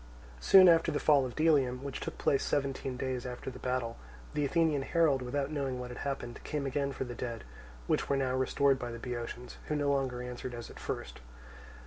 Soon after the fall of Delium, which took place seventeen days after the battle, the Athenian herald, without knowing what had happened, came again for the dead, which were now restored by the Boeotians, who no longer answered as at first.